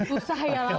susah ya langsung